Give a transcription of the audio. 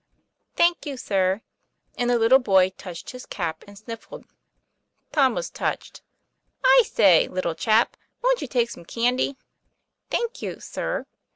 'Thank you, sir," and the little boy touched his cap and sniffled. Tom was touched. 'I say, little chap, wont you take some candy?" 'Thank you, sir."